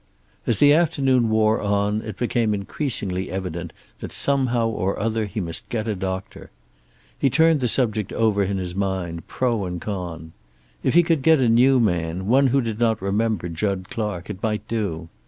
As the afternoon wore on, it became increasingly evident that somehow or other he must get a doctor. He turned the subject over in his mind, pro and con. If he could get a new man, one who did not remember Jud Clark, it might do.